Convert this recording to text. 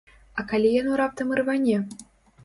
А калі яно раптам ірване?